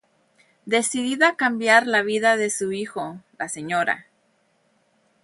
Decidida a cambiar la vida de su hijo, la Sra.